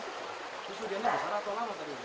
terus hujannya besar atau lama tadi hujan